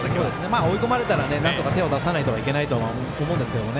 追い込まれたらなんとか手を出さないといけないとは思うんですけどね。